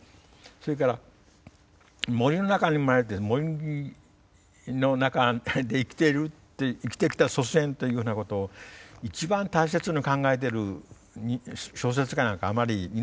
それから森の中に生まれて森の中で生きている生きてきた祖先というふうなことを一番大切に考えてる小説家なんかあんまりいないような気がした。